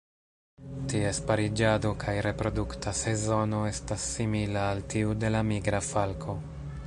Ties pariĝado kaj reprodukta sezono estas simila al tiu de la Migra falko.